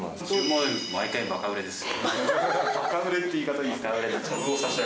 ・毎回バカ売れです。